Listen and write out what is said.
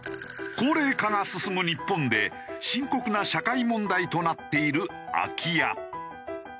高齢化が進む日本で深刻な社会問題となっている空き家。